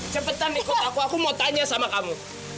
cepetan ikut aku aku mau tanya sama kamu